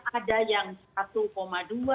ada yang satu dua ada yang enam lima